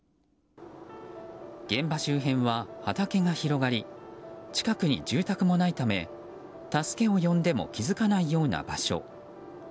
現場周辺は畑が広がり近くに住宅もないため助けを呼んでも気づかないような場所。